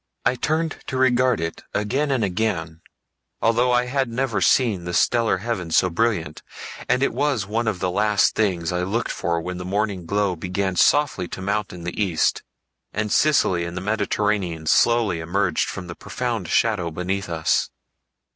I turned to regard it again and again, although I had never seen the stellar heavens so brilliant, and it was one of the last things I looked for when the morning glow began softly to mount in the east, and Sicily and the Mediterranean slowly emerged from the profound shadow beneath us.